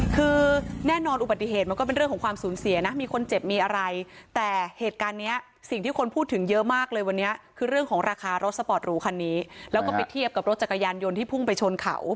คือแน่นอนอุบัติเหตุมันก็เป็นเรื่องของความสูญเสียนะมีคนเจ็บมีอะไรแต่เหตุการณ์เนี้ยสิ่งที่คนพูดถึงเยอะมากเลยวันนี้คือเรื่องของราคารถสปอร์ตหรูคันนี้แล้วก็ไปเทียบกับรถจักรยานยนต์ที่พุ่งไปชนเขา